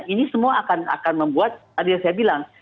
ini semua akan membuat tadi yang saya bilang